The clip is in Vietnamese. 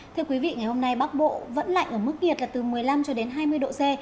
thưa quý vị ngày hôm nay bắc bộ vẫn lạnh ở mức nhiệt là từ một mươi năm cho đến hai mươi độ c